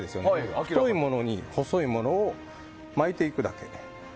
太いものに細いものを巻くだけ。